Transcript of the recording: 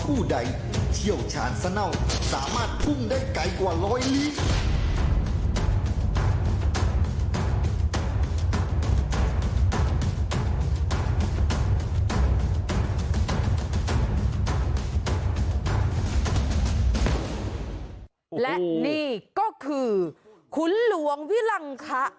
และนี่ก็คือขุนหลวงวิลังคะ